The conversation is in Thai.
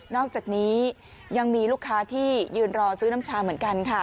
อกจากนี้ยังมีลูกค้าที่ยืนรอซื้อน้ำชาเหมือนกันค่ะ